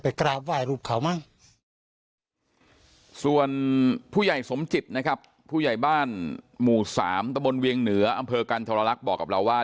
ผู้ใหญ่บ้านหมู่๓ตะบลเวียงเหนืออำเภอกันทรลลักษณ์บอกกับเราว่า